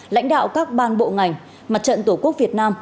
lãnh đạo các ban bộ ngành mặt trận tổ quốc việt nam